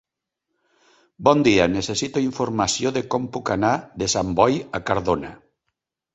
Bon dia, necessito informació de com puc anar de Sant Boi a Cardona.